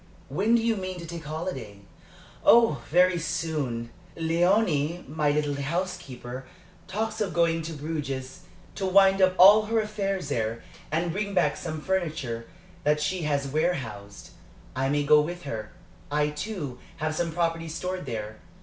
When do you mean to take a holiday?" "Oh, very soon. Léonie, my little housekeeper, talks of going to Bruges to wind up all her affairs there and bring back some furniture that she has warehoused. I may go with her. I, too, have some property stored there.